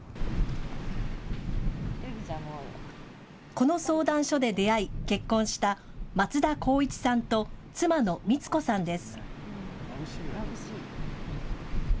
この相談所で出会い、結婚した松田浩一さんと妻のミツコさんです。